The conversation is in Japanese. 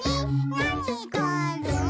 「なにがある？」